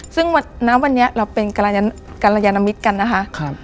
ซึ่งณวันนี้เราเป็นกรยานมิตรกันนะคะ